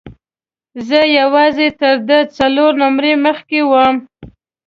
زه یوازې تر ده څلور نمرې مخکې وم.